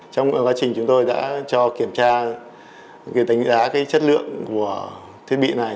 trong quá trình chúng tôi đã cho kiểm tra tính giá chất lượng của thiết bị này